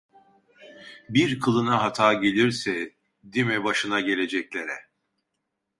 Bir kılına hata gelirse, dime başına geleceklere…